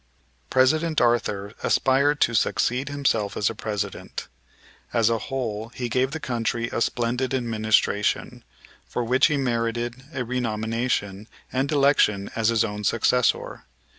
President Arthur aspired to succeed himself as President. As a whole he gave the country a splendid administration, for which he merited a renomination and election as his own successor.